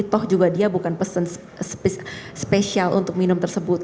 toh juga dia bukan pesen spesial untuk minum tersebut